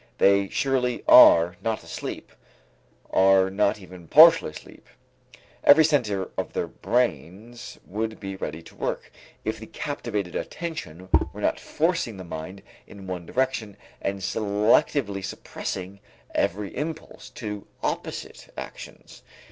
They surely are not asleep, are not even partially asleep. Every center of their brains would be ready to work, if the captivated attention were not forcing the mind in one direction and selectively suppressing every impulse to opposite actions.